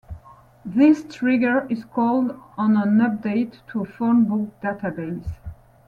This trigger is called on an update to a phone book database.